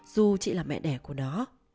dù chị là mẹ đẻ của nó